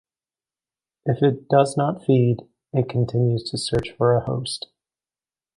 If it does not feed, it continues to search for a host.